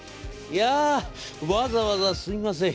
「やあ、わざわざすみません。